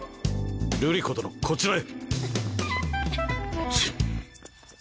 瑠璃子殿こちらへ。